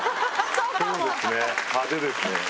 そうですね派手ですね。